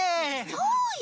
そうよ！